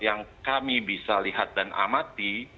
yang kami bisa lihat dan amati